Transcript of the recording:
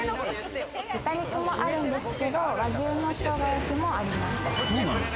豚肉もあるんですけれども、和牛の生姜焼きもあります。